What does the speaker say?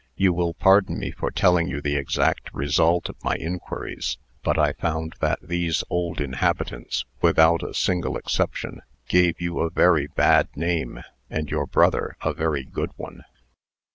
You will pardon me for telling you the exact result of my inquiries, but I found that these old inhabitants, without a single exception, gave you a very bad name, and your brother a very good one."